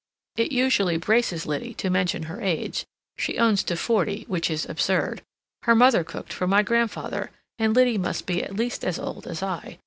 It usually braces Liddy to mention her age: she owns to forty—which is absurd. Her mother cooked for my grandfather, and Liddy must be at least as old as I.